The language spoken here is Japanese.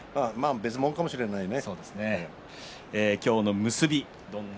別もんかもしれないね。